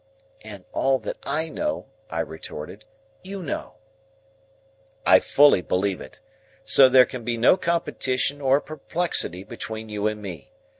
"And all that I know," I retorted, "you know." "I fully believe it. So there can be no competition or perplexity between you and me.